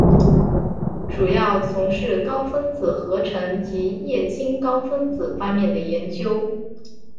主要从事高分子合成及液晶高分子方面的研究。